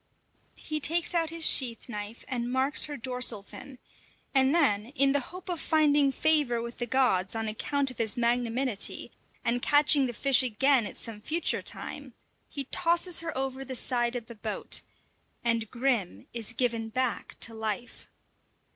He takes out his sheath knife and marks her dorsal fin; and then, in the hope of finding favour with the gods on account of his magnanimity, and catching the fish again at some future time, he tosses her over the side of the boat, and Grim is given back to life.